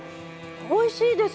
おいしいです！